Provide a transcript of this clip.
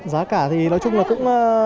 giá cả thì nói chung là cũng